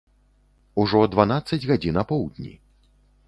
Ужо дванаццаць гадзін апоўдні.